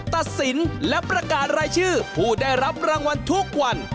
ตัดสินและประกาศรายชื่อผู้ได้รับรางวัลทุกวัน